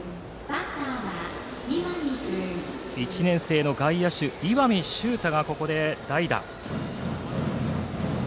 １年生の外野手、石見秀太がここで代打。